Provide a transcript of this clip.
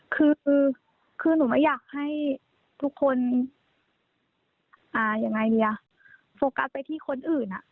คือคือหนูไม่อยากให้ทุกคนยังไงดีอ่ะโฟกัสไปที่คนอื่นอ่ะ